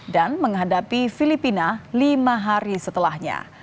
dan menghadapi filipina lima hari setelahnya